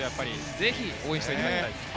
ぜひ応援していただきたいと思います。